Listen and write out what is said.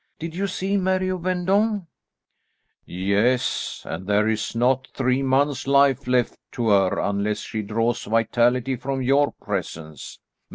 Did you see Mary of Vendôme?" "Yes, and there is not three months' life left to her unless she draws vitality from your presence.